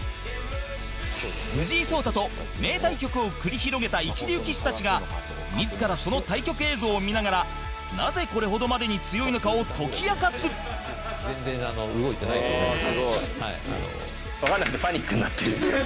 藤井聡太と名対局を繰り広げた一流棋士たちが自ら、その対局映像を見ながらなぜ、これほどまでに強いのかを解き明かす谷川：全然動いてないと思うんですが。